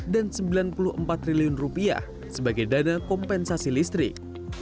dan rp sembilan puluh empat triliun sebagai dana kompensasi listrik